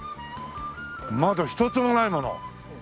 窓一つもないもの。